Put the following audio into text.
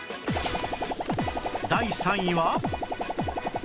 第３位は